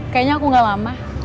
kayaknya aku gak lama